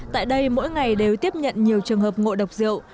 tại đây mỗi ngày đều tiếp nhận nhiều trường hợp ngộ độc rượu